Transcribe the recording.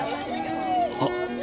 あっ！